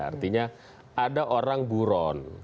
artinya ada orang buron